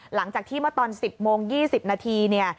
หลังจากที่เมื่อตอน๑๐โมง๒๐นาทีเนี่ย